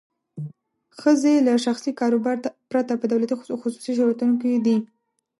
ښځې له شخصي کاروبار پرته په دولتي او خصوصي شرکتونو کې دي.